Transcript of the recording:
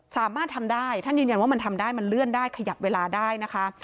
สามารถทำได้ท่านยืนยันว่ามันทำได้มันเลื่อนได้ขยับเวลาได้นะคะ